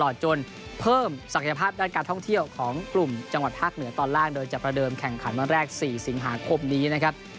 โดยจะประเดิมแข่งขันวันแรก๔สิงหาคมนี้นะครับ